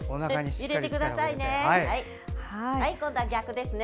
入れてくださいね。